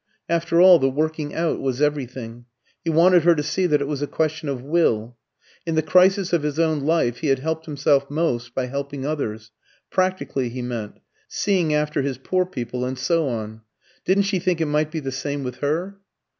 After all, the working out was everything. He wanted her to see that it was a question of will. In the crisis of his own life he had helped himself most by helping others practically, he meant seeing after his poor people, and so on. Didn't she think it might be the same with her?